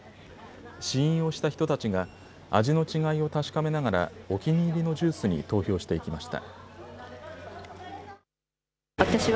試飲をした人たちが味の違いを確かめながらお気に入りのジュースに投票していきました。